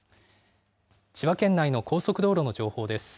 千葉県内の高速道路の情報です。